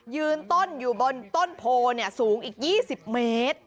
ยืนต้นอยู่บนต้นโพสูงอีก๒๐เมตร